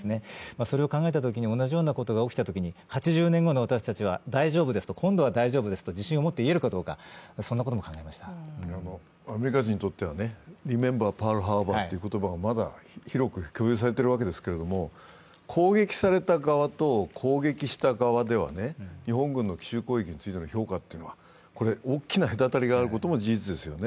それを考えたときに同じようなことが起きたときに８０年後の私たちは今度は大丈夫ですと自信を持って言えるかどうか、アメリカ人にとってはリメンバー・パールハーバーという言葉がまだ広く共有されてるわけですけれども攻撃された側と攻撃した側では日本軍の奇襲攻撃についての評価は大きな隔たりがあることも事実ですよね。